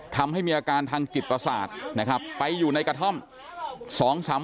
ทำให้มีอาการทางจิตประสาทนะครับไปอยู่ในกระท่อม